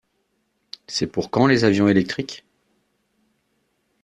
C'est pour quand les avions électriques?